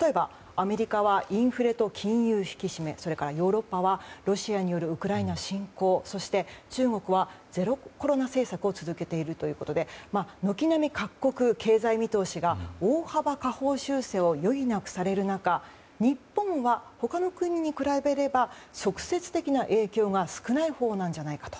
例えば、アメリカはインフレと金融引き締めそれからヨーロッパはロシアによるウクライナ侵攻そして、中国はゼロコロナ政策を続けているということで軒並み各国経済見通しが、大幅下方修正を余儀なくされる中日本は他の国に比べれば直接的な影響が少ないほうじゃないかと。